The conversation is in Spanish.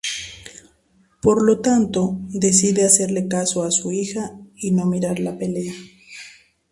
Por lo tanto, decide hacerle caso a su hija y no mirar la pelea.